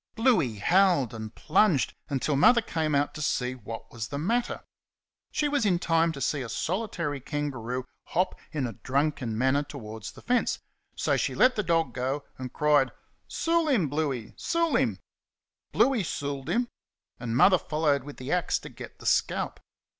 Bluey howled and plunged until Mother came out to see what was the matter. She was in time to see a solitary kangaroo hop in a drunken manner towards the fence, so she let the dog go and cried, "Sool him, Bluey! Sool him!" Bluey sooled him, and Mother followed with the axe to get the scalp.